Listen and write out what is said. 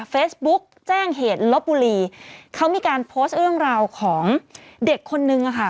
เฟซบุ๊กแจ้งเหตุลบบุรีเขามีการโพสต์เรื่องราวของเด็กคนนึงอะค่ะ